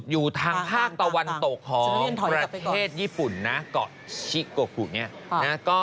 อยู่ทางภาคตะวันตกของประเทศญี่ปุ่นชิโกโก